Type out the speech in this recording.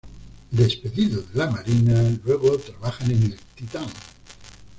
Despedido de la Marina, luego trabaja en el "Titán".